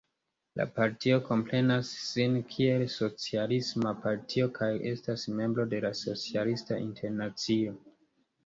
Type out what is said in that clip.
La partio komprenas sin kiel socialisma partio kaj estas membro de la Socialista Internacio.